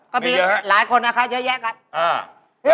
ก็มีหลายคนนะคะเยอะแยะครับ